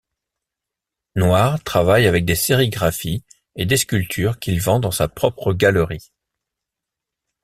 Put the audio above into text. Noir travaille avec des sérigraphies et des sculptures qu'il vend dans sa propre galerie.